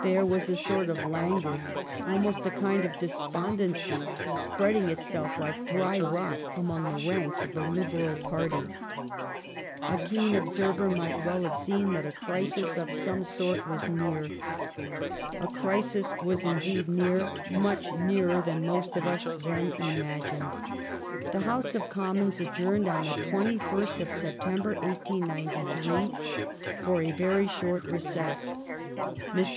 There was a sort of languor, almost a kind of despondency, spreading itself like dry rot among the ranks of the Liberal party. A keen observer might well have seen that a crisis of some sort w^as near. A crisis was indeed near, much nearer than most of us then imagined. 384 THE STORY OF GLADSTONE'S LIFE The House of Commons adjourned on the twenty first of September, 1893, for a very short recess. Mr.